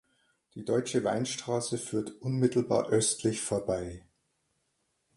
Die Deutsche Weinstraße führt unmittelbar östlich vorbei.